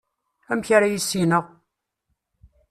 Amak ara issineɣ?